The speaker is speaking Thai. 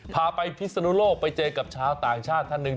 พาไปพิศนุโลกไปเจอกับชาวต่างชาติท่านหนึ่ง